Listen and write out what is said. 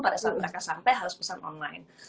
pada saat mereka sampai harus pesan online